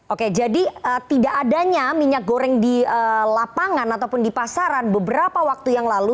oke jadi tidak adanya minyak goreng di lapangan ataupun di pasaran beberapa waktu yang lalu